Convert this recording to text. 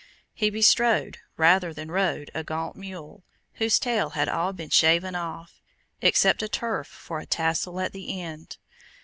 He bestrode rather than rode a gaunt mule, whose tail had all been shaven off, except a turf for a tassel at the end.